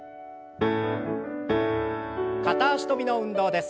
片脚跳びの運動です。